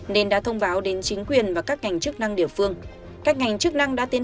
nên đã thông báo đến chính quyền và các ngành chức năng địa phương các ngành chức năng đã tiến